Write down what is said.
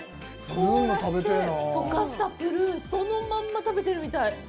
凍らせて、溶かしたプルーンそのまんま食べてるみたい。